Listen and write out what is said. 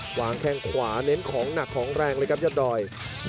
วางแข้งขวาเน้นของหนักของแรงเลยครับยอดดอย